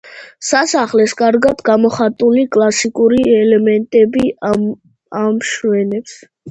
სასახლეს კარგად გამოხატული კლასიკური ელემენტები ამშვენებს.